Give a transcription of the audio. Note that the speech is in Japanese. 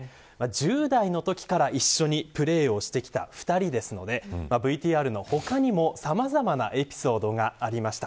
１０代のときから一緒にプレーをしてきた２人ですのでＶＴＲの他にもさまざまなエピソードがありました。